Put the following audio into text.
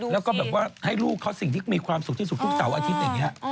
แล้วก็แบบว่าให้ลูกเขาสิ่งที่มีความสุขที่สุดทุกเสาร์อาทิตย์อย่างนี้